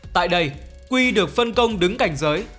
tại đây q được phân công đứng cạnh giới